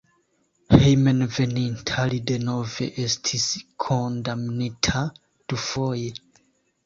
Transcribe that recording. Hejmenveninta li denove estis kondamnita dufoje.